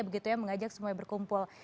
begitu ya mengajak semuanya berkumpul